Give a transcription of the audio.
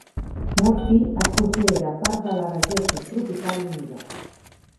Murphy es considera part de la regió subtropical humida.